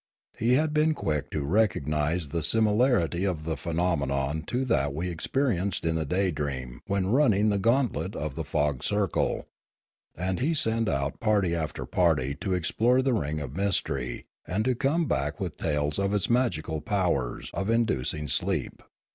He had been quick to recognise the similarity of the phenomenon to that we had experienced in the Daydream when running the gauntlet of the fog circle, and he sent out party after party to explore the ring of mystery and to come back with tales of its magical powers of inducing sleep.